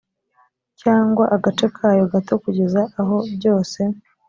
cyangwa agace kayo gato kugeza aho byose